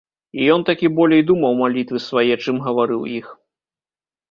І ён такі болей думаў малітвы свае, чым гаварыў іх.